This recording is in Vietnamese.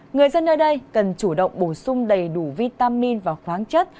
người dân nơi đây cần chủ động bổ sung đầy đủ vitamin và khoáng chất